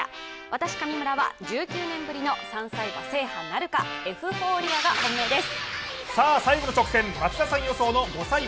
私、上村は１９年ぶりの３歳馬制覇なるか、エフフォーリアが本命です。